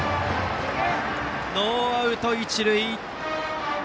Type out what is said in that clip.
ノーアウト、一塁。